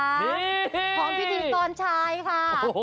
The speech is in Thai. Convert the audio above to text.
หอมพี่ดินตอนชายค่ะ